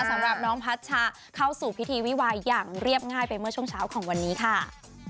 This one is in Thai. สำหรับน้องพัชชาเข้าสู่พิธีวิวาอย่างเรียบง่ายไปเมื่อช่วงเช้าของวันนี้ค่ะ